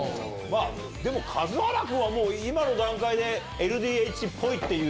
でも数原君はもう今の段階でＬＤＨっぽいっていう。